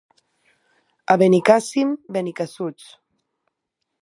A Benicàssim, benicassuts.